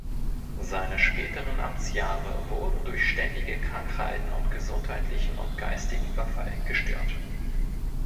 Seine späteren Amtsjahre wurden durch ständige Krankheiten und gesundheitlichen und geistigen Verfall gestört.